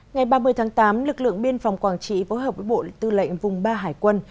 ngày ba mươi tháng tám lực lượng biên phòng quảng trị phối hợp với bộ tư lệnh vùng ba hải quân